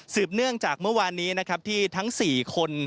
สืบเนื่องจากเมื่อวานนี้ที่ทั้ง๔คน